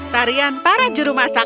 tarian para jurumasak